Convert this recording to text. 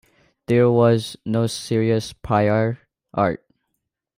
There was no serious prior art.